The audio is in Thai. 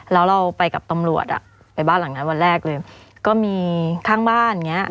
แล้วเราไปกับตำรวจอ่ะไปบ้านหลังนั้นวันแรกเลยก็มีข้างบ้านอย่างเงี้